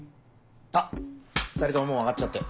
あっ２人とももう上がっちゃって。